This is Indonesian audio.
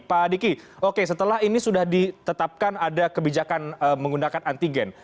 pak adiki oke setelah ini sudah ditetapkan ada kebijakan menggunakan antigen